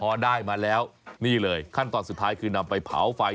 พอได้มาแล้วนี่เลยขั้นตอนสุดท้ายคือนำไปเผาไฟ